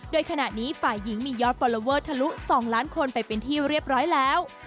โดยขณะนี้ฝ่ายหญิงมียอดฟอลลอเวอร์ทะลุ๒ล้านคนไปเป็นที่เรียบร้อยแล้ว